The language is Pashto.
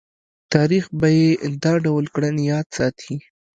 تاریخ به یې دا ډول کړنې یاد ساتي.